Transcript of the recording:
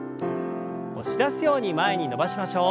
押し出すように前に伸ばしましょう。